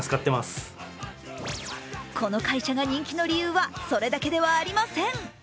この会社が人気の理由はそれだけではありません。